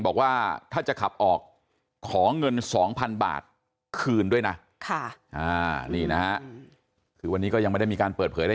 บอกว่าถ้าจะขับออกขอเงิน๒๐๐๐บาทคืนด้วยนะนี่นะฮะคือวันนี้ก็ยังไม่ได้มีการเปิดเผยอะไร